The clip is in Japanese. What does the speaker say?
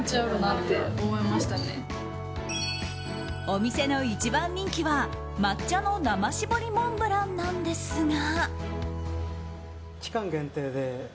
お店の一番人気は抹茶の生搾りモンブランなんですが。